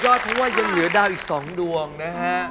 ก็เพราะว่ายังเหลือดาวอีก๒ดวงนะฮะ